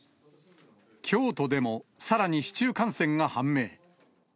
京都でも、さらに市中感染が判明。